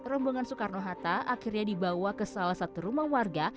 rombongan soekarno hatta akhirnya dibawa ke salah satu rumah warga